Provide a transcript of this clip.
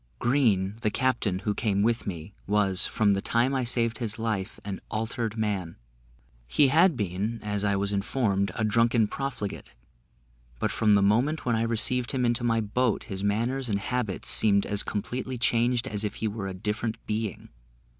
Green, the captain, who came with me, was, from the time I saved his life, an altered man. He had been, as I was informed, a drunken profligate; but from the moment when I received him into my boat, his manners and habits seemed as completely changed as if he were a different being.